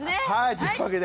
というわけで。